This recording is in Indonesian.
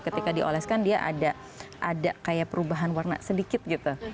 ketika dioleskan dia ada kayak perubahan warna sedikit gitu